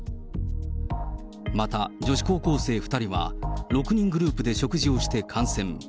また、女子高校生２人は、６人グループで食事をして感染。